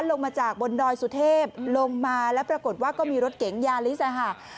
ลงมาจากบนดอยสุเทพลงมาแล้วปรากฏว่าก็มีรถเก๋งยาลิสค่ะ